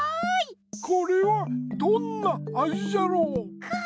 これはどんなあじじゃろう？か！